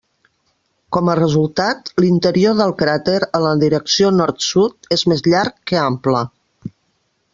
Com a resultat, l'interior del cràter en la direcció nord-sud és més llarg que ample.